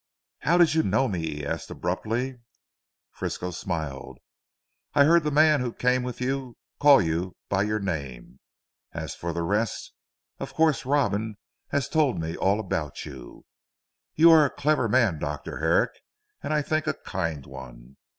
"How did you know me?" he asked abruptly. Frisco smiled, "I heard the man who came with you, call you by your name. As for the rest, of course Robin has told me all about you. You are a clever man Dr. Herrick, and I think a kind one.